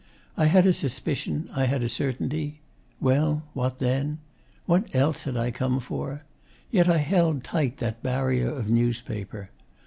I had a suspicion, I had a certainty. Well, what then?... What else had I come for? Yet I held tight that barrier of newspaper.